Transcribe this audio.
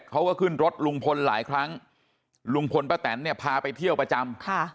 เขาก็ขึ้นรถลุงพลหลายครั้งลุงพลป้าแตนเนี่ยพาไปเที่ยวประจำค่ะ